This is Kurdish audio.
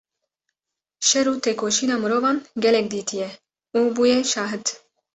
şer û tekoşîna mirovan gelek dîtiye û bûye şahid.